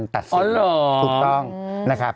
ถูกต้องนะครับ